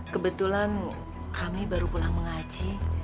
kebetulan kami baru pulang mengaji